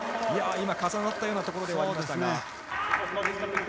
今、重なったようなところではありました。